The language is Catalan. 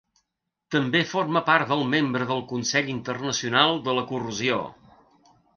També forma part del Membre del Consell Internacional de la Corrosió.